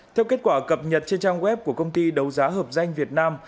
theo kết quả cập nhật trên trang web của công ty đấu giá hợp danh việt nam